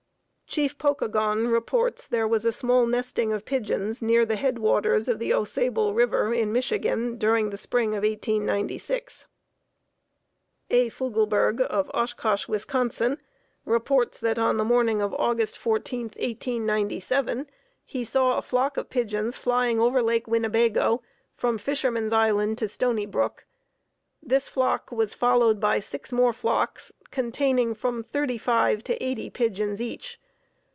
Chief Pokagon reports there was a small nesting of pigeons near the head waters of the Au Sable River in Michigan, during the spring of 1896. A. Fugleburg of Oshkosh, Wis., reports that on the morning of August 14, 1897, he saw a flock of pigeons flying over Lake Winnebago from Fisherman's Island to Stony Brook. This flock was followed by six more flocks containing from thirty five to eighty pigeons each.